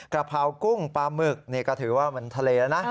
กะเพรากุ้งปลาหมึกนี่ก็ถือว่ามันทะเลแล้วนะ